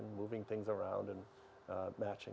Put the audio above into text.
memiliki pengaruh yang baik